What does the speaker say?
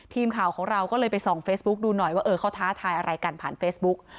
ทีมข่าวของเราก็เลยไปส่องเฟซบุ๊กดูหน่อยว่าเออเขาท้าทายอะไรกันผ่านเฟซบุ๊ก